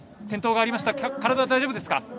転倒がありましたが大丈夫ですか。